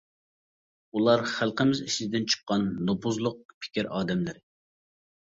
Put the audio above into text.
ئۇلار خەلقىمىز ئىچىدىن چىققان نوپۇزلۇق پىكىر ئادەملىرى.